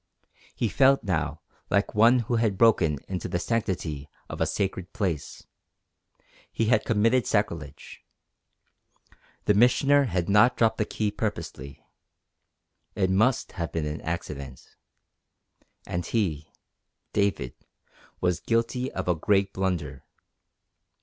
He felt now like one who had broken into the sanctity of a sacred place. He had committed sacrilege. The Missioner had not dropped the key purposely. It must have been an accident. And he David was guilty of a great blunder.